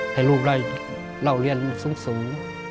ให้ลูกได้เล่าเรียนสูง